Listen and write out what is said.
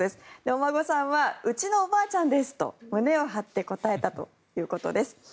お孫さんはうちのおばあちゃんですと胸を張って答えたということです。